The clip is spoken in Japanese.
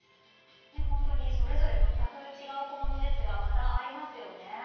それぞれ全く違う小物ですが合いますよね。